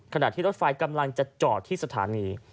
ขณะที่รถไฟกำลังจะจอดที่สถานี